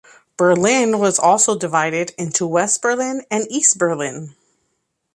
Berlin was also divided, into West Berlin and East Berlin.